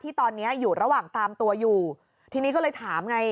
ตอนเนี้ยอยู่ระหว่างตามตัวอยู่ทีนี้ก็เลยถามไง